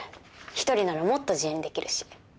１人ならもっと自由にできるし。